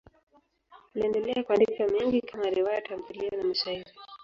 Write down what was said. Aliendelea kuandika mengi kama riwaya, tamthiliya na mashairi.